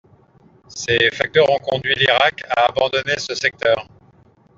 Ces facteurs ont conduit l'Irak à abandonner ce secteur.